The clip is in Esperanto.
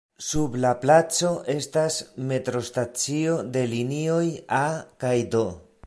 Sub la placo estas metrostacio de la linioj "A" kaj "D".